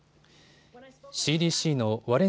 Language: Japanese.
ＣＤＣのワレン